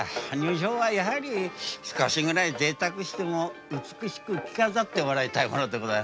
女性は少しぐらいぜいたくをしても美しく着飾ってもらいたいもので。